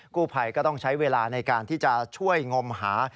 กู้ภัยก็ต้องใช้เวลาในการที่จะช่วยงมหา